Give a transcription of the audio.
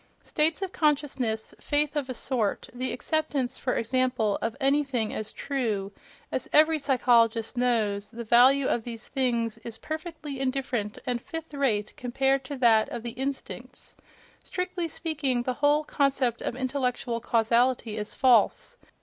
States of consciousness, faith of a sort, the acceptance, for example, of anything as true—as every psychologist knows, the value of these things is perfectly indifferent and fifth rate compared to that of the instincts: strictly speaking, the whole concept of intellectual causality is false.